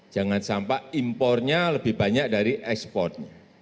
jangan sampai impornya lebih banyak dari ekspornya